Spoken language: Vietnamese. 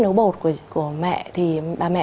nấu bột của mẹ thì bà mẹ